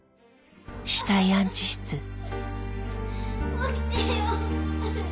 起きてよ！